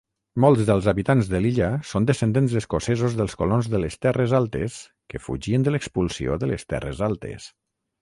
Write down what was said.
Molts dels habitants de l'illa són descendents escocesos dels colons de les Terres Altes que fugien de l'expulsió de les Terres Altes.